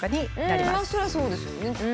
そりゃそうですよね。